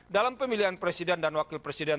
dalam pemilihan presiden dan wakil presiden